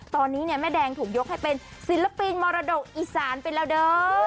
ตอนนี้เนี่ยแม่แดงถูกยกให้เป็นศิลปินมรดกอีสานไปแล้วเด้อ